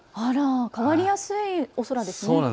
変わりやすいお空ですね。